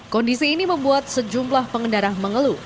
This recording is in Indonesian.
kondisi ini membuat sejumlah pengendara mengeluh